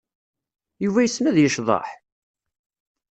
Yuba yessen ad yecḍeḥ?